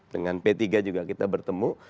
dengan p tiga juga kita bertemu